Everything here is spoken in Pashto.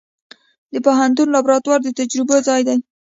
د پوهنتون لابراتوار د تجربو ځای دی.